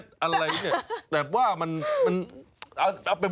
จะไปสั่งคาดลายเมื่อใหม่